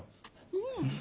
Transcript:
うん。